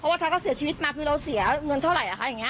เพราะว่าเธอก็เสียชีวิตมาคือเราเสียเงินเท่าไหร่อะค่ะอย่างเงี้ย